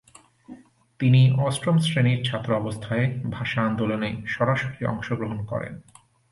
তিনি অষ্টম শ্রেণীর ছাত্র অবস্থায় ভাষা আন্দোলনে সরাসরি অংশগ্রহণ করেন।